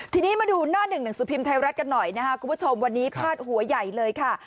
ทีนี้มาดูหน้าหนึ่งหนังสือพิมพ์ไทยรัฐกันหน่อยนะครับคุณผู้ชมวันนี้พาดหัวใหญ่เลยค่ะ